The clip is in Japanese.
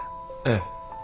ええ。